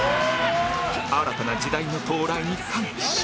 新たな時代の到来に歓喜し